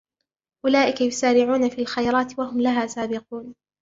أُولَئِكَ يُسَارِعُونَ فِي الْخَيْرَاتِ وَهُمْ لَهَا سَابِقُونَ